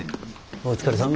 お疲れさま。